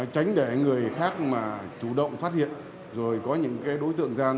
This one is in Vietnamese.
tránh để người khác mà chủ động phát hiện rồi có những đối tượng gian